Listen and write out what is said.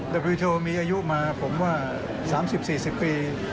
แต่วิทยาลัยมีอายุมาผมว่า๓๐๔๐ปี